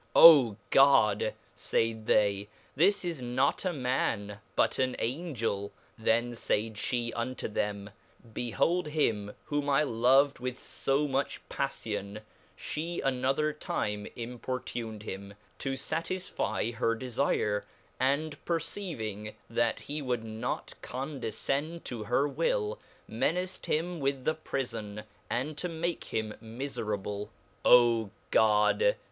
O God 1 faid they, this is not a man, but an Angel ; then faid (lie unto them, behold him whom I loved with fomiich pafHon : (he another time importuned him, to fatisfie her defire, and perceiving that he would not condcfcerid to her will, meqaced him with the prifon, and to make him miferable . O God